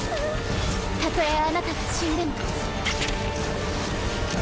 たとえあなたが死んでも。